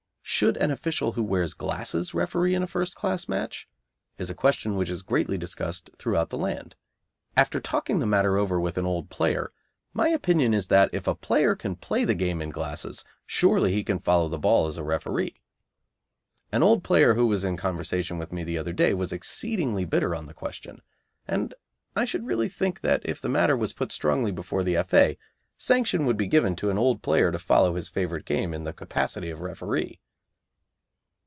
Should an official who wears glasses referee in a first class match? is a question which is greatly discussed throughout the land. After talking the matter over with an old player, my opinion is that if a player can play the game in glasses surely he can follow the ball as a referee. An old player who was in conversation with me the other day was exceedingly bitter on the question, and I should really think that if the matter was put strongly before the F.A., sanction would be given to an old player to follow his favourite game in the capacity of referee.